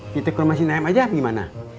kita ke rumah si nayem aja apa gimana